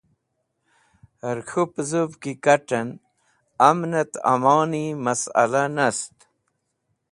Hẽr k̃hũ pẽzũv ki kat̃ẽn amnẽt amoni masla nast